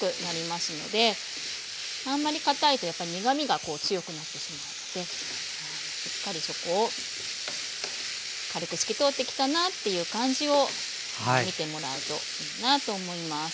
あんまりかたいとやっぱり苦みが強くなってしまうのでしっかりそこを軽く透き通ってきたなという感じを見てもらうといいなと思います。